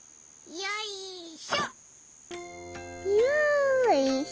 よいしょ。